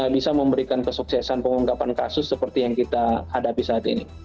bisa memberikan kesuksesan pengungkapan kasus seperti yang kita hadapi saat ini